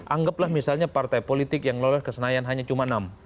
anggaplah misalnya partai politik yang lolos ke senayan hanya cuma enam